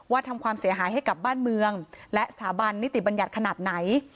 ทำความเสียหายให้กับบ้านเมืองและสถาบันนิติบัญญัติขนาดไหน